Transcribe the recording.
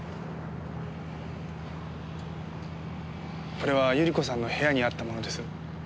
これは百合子さんの部屋にあったものです。